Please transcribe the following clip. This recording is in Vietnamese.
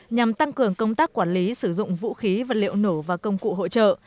nhằm tăng cường công tác quản lý sử dụng vũ khí vật liệu nổ và công cụ hỗ trợ